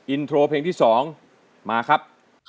อินโทรเพลงที่๒มาครับ